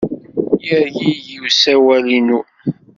Yergigi usawal-inu.